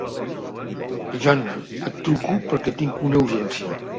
Jane, et truco perquè tinc una urgència.